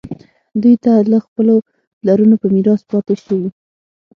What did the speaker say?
دوی ته له خپلو پلرونو په میراث پاتې شوي.